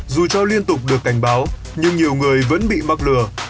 dù cho liên tục được cảnh báo nhưng nhiều người vẫn bị mắc lừa